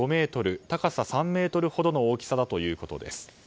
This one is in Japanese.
高さ３ｍほどの大きさだということです。